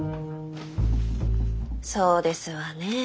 そうですわねえ